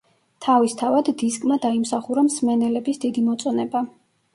თავისთავად, დისკმა დაიმსახურა მსმენელების დიდი მოწონება.